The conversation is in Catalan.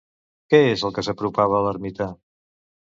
Què és el que s'apropava a l'ermita?